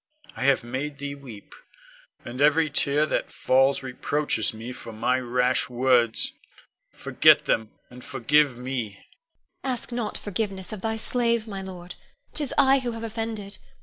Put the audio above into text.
I have made thee weep, and every tear that falls reproaches me for my rash words. Forget them, and forgive me. Ione. Ask not forgiveness of thy slave, my lord. 'Tis I who have offended.